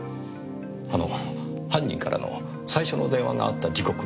あの犯人からの最初の電話があった時刻は？